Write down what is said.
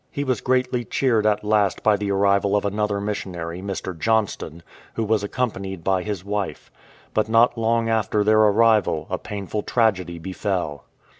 He was greatly cheered at last by the arrival of another missionary, Mr. Johnston, who was accompanied by his wife. But not long after their arrival a painful tragedy befell.